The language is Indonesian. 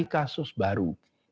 untuk mencari kasus baru